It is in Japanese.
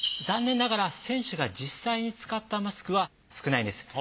残念ながら選手が実際に使ったマスクは少ないです。